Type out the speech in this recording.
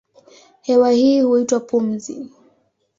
Hewa hii huitwa pumzi.